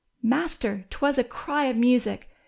Master !" 'Twas a cry of music.